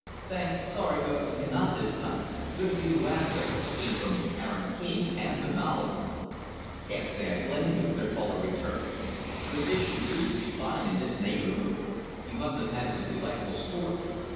"Thanks! Sorry! but we cannot this time. Good of you to ask us," came from Aaron King and the novelist. "Can't say that I blame you," their caller returned. "The fishing used to be fine in this neighborhood. You must have had some delightful sport.